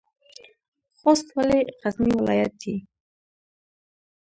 خوست ولې غرنی ولایت دی؟